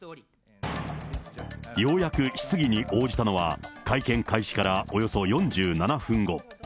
ようやく質疑に応じたのは、会見開始からおよそ４７分後。